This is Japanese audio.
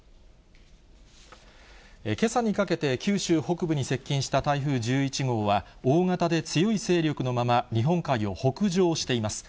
けさにかけて、九州北部に接近した台風１１号は、大型で強い勢力のまま、日本海を北上しています。